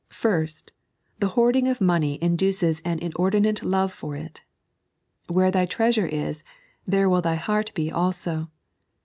Fiifrt, the hoarding of money indaeei on inordi7uiie love for it. " Where thy treasure is, there will thy heart be altto."